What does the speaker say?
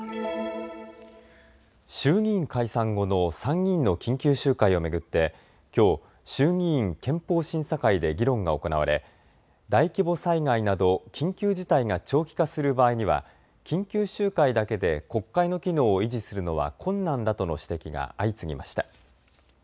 衆議院解散後の参議院の緊急集会を巡ってきょう衆議院憲法審査会で議論が行われ大規模災害など緊急事態が長期化する場合には緊急集会だけで国会の機能を維持するのは困難だとの指摘が相次ぎました。